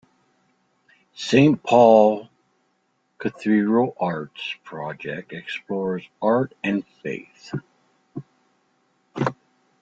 The Saint Paul's Cathedral Arts Project explores art and faith.